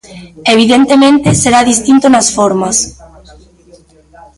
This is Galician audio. Evidentemente, será distinto nas formas.